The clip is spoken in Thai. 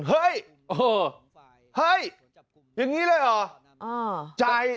เฮ้ยอย่างนี้เลยหรอ